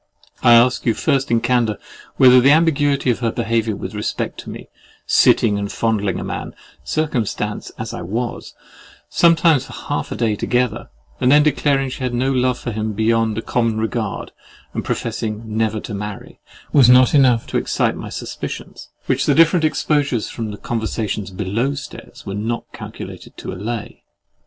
I ask you first in candour whether the ambiguity of her behaviour with respect to me, sitting and fondling a man (circumstanced as I was) sometimes for half a day together, and then declaring she had no love for him beyond common regard, and professing never to marry, was not enough to excite my suspicions, which the different exposures from the conversations below stairs were not calculated to allay?